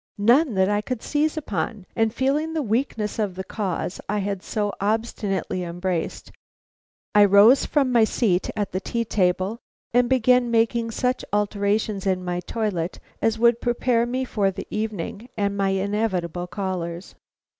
None that I could seize upon; and feeling the weakness of the cause I had so obstinately embraced, I rose from my seat at the tea table and began making such alterations in my toilet as would prepare me for the evening and my inevitable callers.